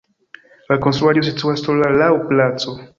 La konstruaĵo situas sola laŭ placo.